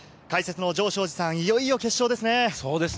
解説の城彰二さん、いよいよ決勝ですね。